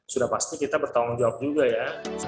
sudah pasti kita bertanggung jawab juga ya